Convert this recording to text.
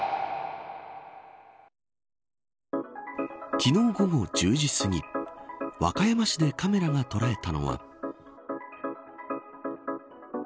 昨日午後１０時すぎ和歌山市でカメラが捉えたのは。